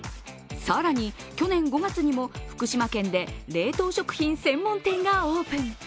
更に、去年５月にも福島県で冷凍食品専門店がオープン。